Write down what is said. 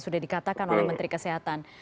sudah dikatakan oleh menteri kesehatan